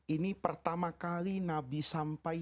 ini pertama kali nabi sampai